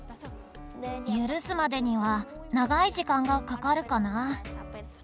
許すまでには長い時間がかかるかな。